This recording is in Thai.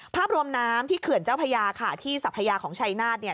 ภาพรวมน้ำที่เขื่อนเจ้าพญาค่ะที่สัพยาของชัยนาธเนี่ย